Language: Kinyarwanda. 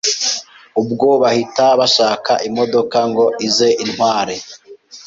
Ubwo bahita bashaka imodoka ngo ize intware,